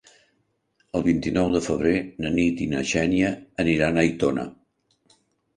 El vint-i-nou de febrer na Nit i na Xènia aniran a Aitona.